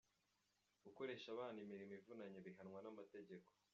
Gukoresha abana imirimo ivunanye bihanwa n’amategeko.